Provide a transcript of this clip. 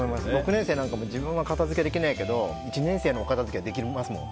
６年生なんかも自分は片付けできないけど１年生のお片付けはできますもん。